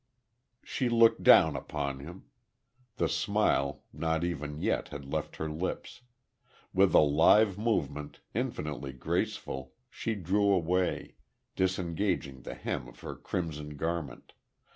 She looked down upon him. The smile not even yet had left her lips. With a lithe movement, infinitely graceful, she drew away, disengaging the hem of her crimson garment....